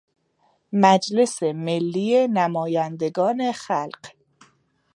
مجلس ملی نمایندگا خلق